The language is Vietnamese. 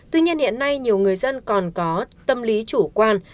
tuy nhiên hiện nay nhiều người dân còn có tâm lý chủ quan